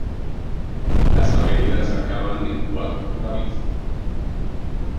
Las avenidas acababan en cuatro portales.